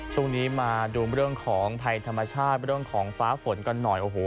ช่วงนี้มาดูเรื่องของภัยธรรมชาติเรื่องของฟ้าฝนกันหน่อยโอ้โห